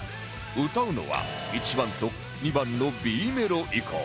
歌うのは１番と２番の Ｂ メロ以降